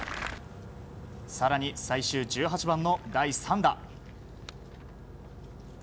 更に、最終１８番の第３打。